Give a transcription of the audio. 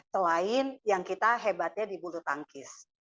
selain yang kita hebatnya di bulu tangkis